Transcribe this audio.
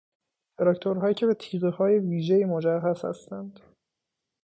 تراکتورهایی که به تیغههای ویژهای مجهز هستند